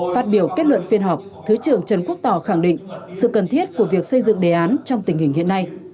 phát biểu kết luận phiên họp thứ trưởng trần quốc tỏ khẳng định sự cần thiết của việc xây dựng đề án trong tình hình hiện nay